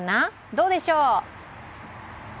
どうでしょう。